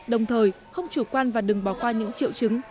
đồng thời không chủ quan và đừng bỏ qua những triệu chứng